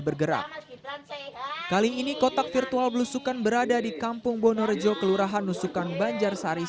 bergerak kali ini kotak virtual blusukan berada di kampung bonorejo kelurahan nusukan banjar sari